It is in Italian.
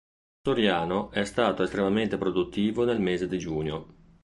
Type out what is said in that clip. Soriano è stato estremamente produttivo nel mese di giugno.